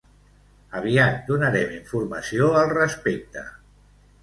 Aviat donarem informació al respecte.